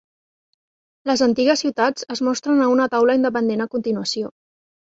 Les antigues ciutats es mostren a una taula independent a continuació.